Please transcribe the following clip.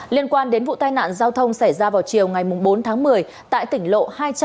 liên quan đến vụ tai nạn giao thông xảy ra vào chiều ngày bốn tháng một mươi tại tỉnh lộ hai trăm bảy mươi